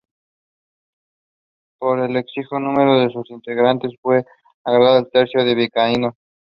Por el exiguo número de sus integrantes fue agregada al Tercio de Vizcaínos.